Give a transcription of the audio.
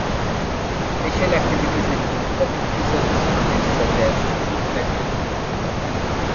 Special activities include community service projects such as tree planting.